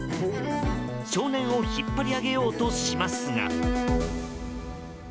少年を引っ張り上げようとしますが。